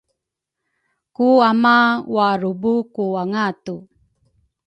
ku ama warubu ku angatu.